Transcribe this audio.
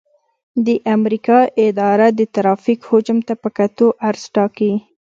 د امریکا اداره د ترافیک حجم ته په کتو عرض ټاکي